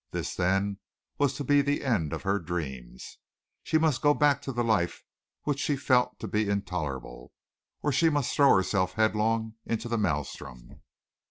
This, then, was to be the end of her dreams. She must go back to the life which she felt to be intolerable, or she must throw herself headlong into the maelstrom.